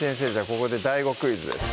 ここでＤＡＩＧＯクイズです